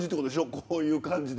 こういう感じで。